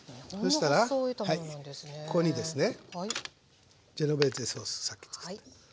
そうしたらここにですねジェノベーゼソースさっきつくった。